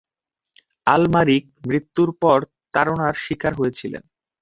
আলমারিক মৃত্যুর পর তাড়নার শিকার হয়েছিলেন।